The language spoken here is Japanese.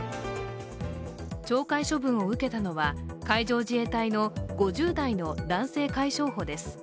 懲戒処分を受けたのは、海上自衛隊の５０代の男性海将補です。